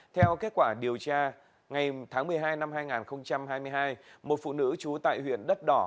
theo kết quả điều tra ngày tháng một mươi hai năm hai nghìn hai mươi hai một phụ nữ trú tại huyện đất đỏ